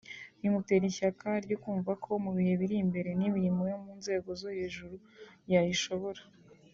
bimutera ishyaka ryo kumva ko mu bihe biri imbere n’imirimo yo mu nzego zo hejuru yayishobora